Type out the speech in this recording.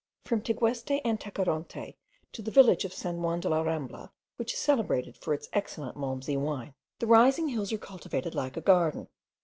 From Tegueste and Tacoronte to the village of St. Juan de la Rambla (which is celebrated for its excellent malmsey wine), the rising hills are cultivated like a garden.